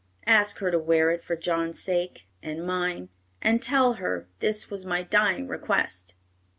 Ask her to wear it for John's sake and mine, and tell her this was my dying request.'"